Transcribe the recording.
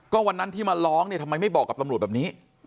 ก็วันนั้นที่มาร้องเนี่ยทำไมไม่บอกกับตำรวจแบบนี้